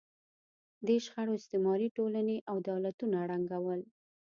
دې شخړو استعماري ټولنې او دولتونه ړنګول.